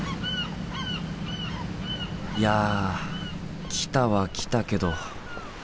いや来たは来たけど。